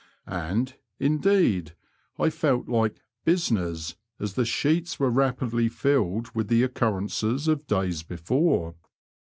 And, indeed, I felt like business," as the sheets were rapidly filled with the occur rences of days before.